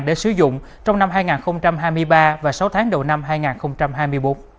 để sử dụng trong năm hai nghìn hai mươi ba và sáu tháng đầu năm hai nghìn hai mươi bốn